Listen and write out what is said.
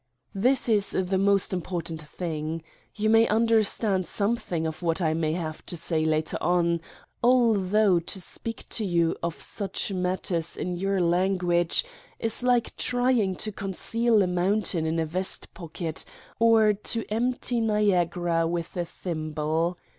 This is the most important thing. You may un derstand something of what I may have to say later on, although to speak to you of such mat ters in your language is like trying to conceal a mountain in a vest pocket or to empty Niagara with a thimble.